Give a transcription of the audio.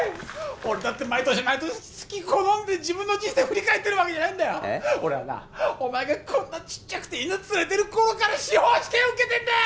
俺だって毎年すき好んで自分の人生振り返ってんじゃない俺はなお前がこんなちっちゃくて犬連れてる頃から司法試験受けてんだよ！